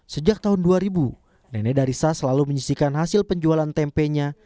sejak tahun dua ribu nenek darissa selalu menyisihkan hasil penjualan tempenya